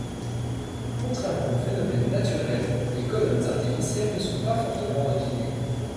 Contrairement au phénomène naturel, les colonnes artificielles ne sont pas fortement inclinées.